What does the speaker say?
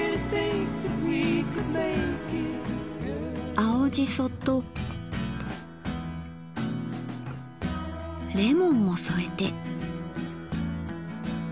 青じそとレモンも添えて。